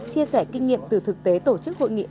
chia sẻ kinh nghiệm từ thực tế tổ chức hội nghị